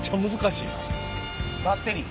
バッテリー。